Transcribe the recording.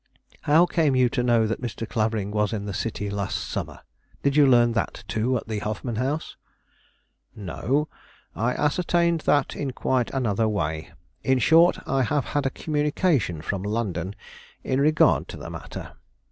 "How came you to know that Mr. Clavering was in this city last summer? Did you learn that, too, at the Hoffman House?" "No; I ascertained that in quite another way. In short, I have had a communication from London in regard to the matter.